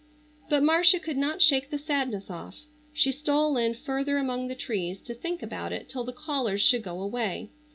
But Marcia could not shake the sadness off. She stole in further among the trees to think about it till the callers should go away.